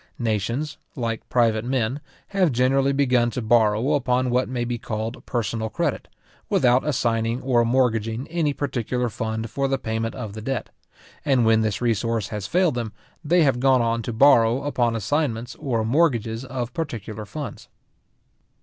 Nations, like private men, have generally begun to borrow upon what may be called personal credit, without assigning or mortgaging any particular fund for the payment of the debt; and when this resource has failed them, they have gone on to borrow upon assignments or mortgages of particular funds.